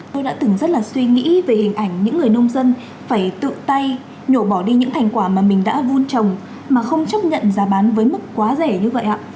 tôi đã từng rất là suy nghĩ về hình ảnh những người nông dân phải tự tay nhổ bỏ đi những thành quả mà mình đã vun trồng mà không chấp nhận giá bán với mức quá rẻ như vậy ạ